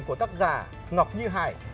của tác giả ngọc như hải